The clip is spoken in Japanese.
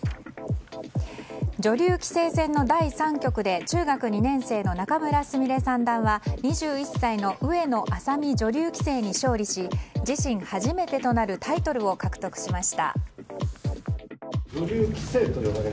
女流棋聖戦の第３局で中学２年生の仲邑菫三段は２１歳の上野愛咲美女流棋聖に勝利し自身初めてとなるタイトルを獲得しました。